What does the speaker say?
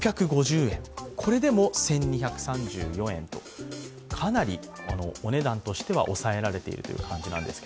これでも１２３４円と、かなりお値段としては抑えられているんです。